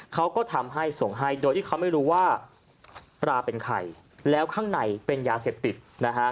เขาก็ทำให้ส่งให้โดยที่เขาไม่รู้ว่าปลาเป็นใครแล้วข้างในเป็นยาเสพติดนะฮะ